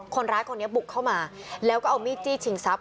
คนร้ายคนนี้บุกเข้ามาแล้วก็เอามีดจี้ชิงทรัพย